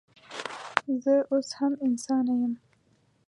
زه اوس هم انسانه یم